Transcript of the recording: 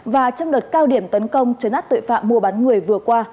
và trong đợt cao điểm tấn công chấn át tội phạm mùa bán người vừa qua